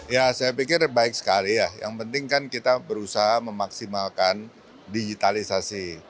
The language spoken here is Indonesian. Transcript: ya saya pikir baik sekali ya yang penting kan kita berusaha memaksimalkan digitalisasi